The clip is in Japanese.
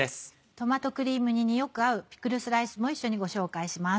トマトクリーム煮によく合うピクルスライスも一緒にご紹介します。